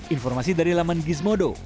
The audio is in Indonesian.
informasi dari laman gizmodo